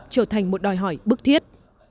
trở thành một đòi hỏi bức thiết